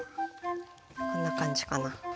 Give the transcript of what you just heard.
こんな感じかな。